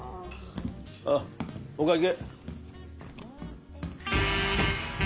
あっお会計？